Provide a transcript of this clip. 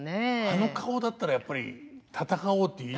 あの顔だったらやっぱり戦おうっていう。